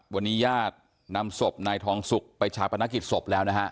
วันนี้ญาตินำศพนายทองสุกไปชาปนกิจศพแล้วนะฮะ